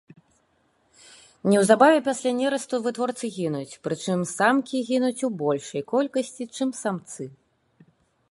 Неўзабаве пасля нерасту вытворцы гінуць, прычым самкі гінуць у большай колькасці, чым самцы.